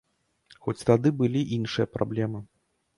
Хоць тады былі іншыя праблемы.